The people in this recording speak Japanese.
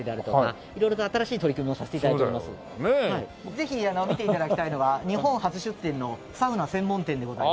ぜひ見て頂きたいのが日本初出店のサウナ専門店でございます。